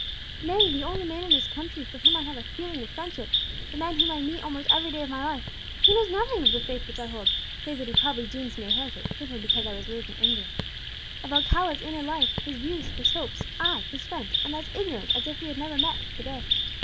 Nay, the only man in this country for whom I have a feeling of friendship the man whom I meet almost every day of my life he knows nothing of the faith which I hold, save that he probably deems me a heretic, simply because I was reared in England. Of Alcala's inner life, his views, his hopes, I, his friend, am as ignorant as if we had never met till to day!